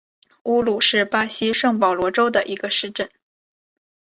乌鲁是巴西圣保罗州的一个市镇。